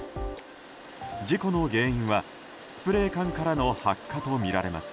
事故の原因は、スプレー缶からの発火とみられます。